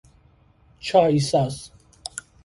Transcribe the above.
چاییساز